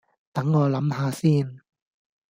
等我諗吓先